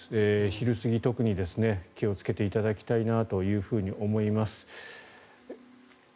昼過ぎ、特に気をつけていただきたいなと思います。